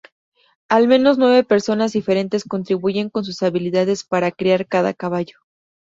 Al menos nueve personas diferentes contribuyen con sus habilidades para crear cada caballo.